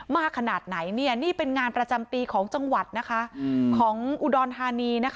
มากขนาดไหนนี่เป็นงานประจำปีของจังหวัดของอุดรธานี